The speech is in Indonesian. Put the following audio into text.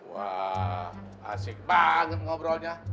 wah asik banget ngobrolnya